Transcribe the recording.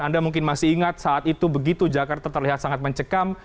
anda mungkin masih ingat saat itu begitu jakarta terlihat sangat mencekam